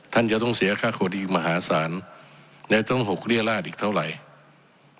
ท่านจะต้องเสียค่าโคดีมหาศาลและต้องหกเรียราชอีกเท่าไหร่